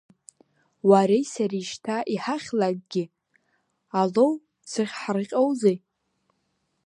Уареи сареи шьҭа иҳахьлакгьы, Алоу дзыхҳарҟьозеи?